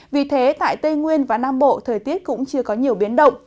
vì thế tại tây nguyên và nam bộ thời tiết cũng chưa có nhiều biến động